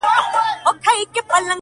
کلي ورو ورو ارامېږي